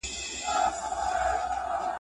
• غوړ پر غوړ توئېږي نه پر خواره چاوده.